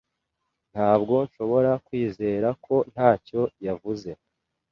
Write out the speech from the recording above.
Ntabwo nshobora kwizera ko ntacyo wavuze.